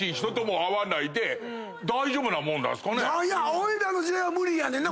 おいらの時代は無理やねんな。